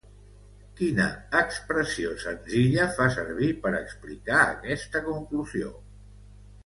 Quina expressió senzilla fa servir per explicar aquesta conclusió?